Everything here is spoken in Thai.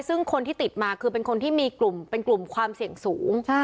ซึ่งคนที่ติดมาคือเป็นคนที่มีกลุ่มเป็นกลุ่มความเสี่ยงสูง